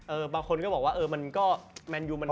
บางคนก็บอกว่าเออมันก็แมนยูมัน